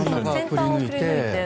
先端をくり抜いて。